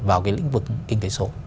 vào cái lĩnh vực kinh tế số